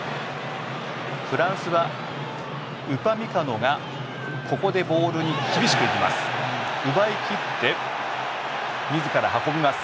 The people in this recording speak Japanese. フランスはウパミカノがここでボールに厳しく行きます。